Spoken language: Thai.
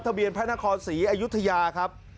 เบียนพระนครศรีอยุธยาครับ